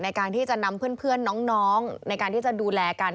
ในการที่จะนำเพื่อนน้องในการที่จะดูแลกัน